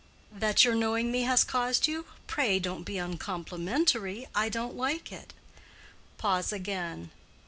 "That your knowing me has caused you? Pray don't be uncomplimentary; I don't like it." Pause again.